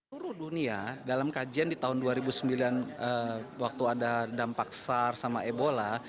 seluruh dunia dalam kajian di tahun dua ribu sembilan waktu ada dampak sar sama ebola